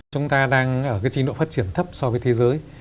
chúng ta đang ở cái trình độ phát triển thấp so với thế giới